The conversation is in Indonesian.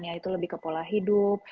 ya itu lebih ke pola hidup